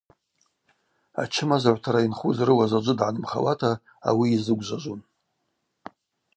Ачымазагӏвтара йынхуз рыуа заджвы дгӏанымхауата ауи йзыгвжважвун.